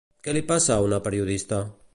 Què li passa a una periodista?